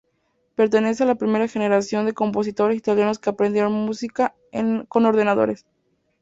Pertenece a la primera generación de compositores italianos que aprendieron música con ordenadores.